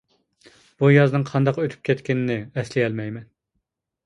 بۇ يازنىڭ قانداق ئۆتۈپ كەتكىنىنى ئەسلىيەلمەيمەن.